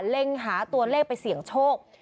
เล็งหาตัวเลขไปเสี่ยงโชค